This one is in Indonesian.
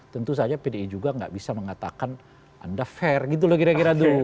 tentu saja pdi juga nggak bisa mengatakan anda fair gitu loh kira kira tuh